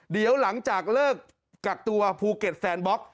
เดี๋ยวหลังจากเลิกกักตัวภูเก็ตแฟนบล็อก